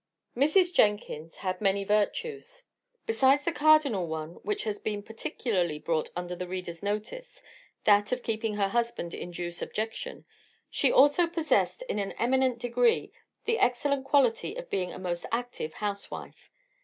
Mrs. Jenkins had many virtues. Besides the cardinal one which has been particularly brought under the reader's notice that of keeping her husband in due subjection she also possessed, in an eminent degree, the excellent quality of being a most active housewife.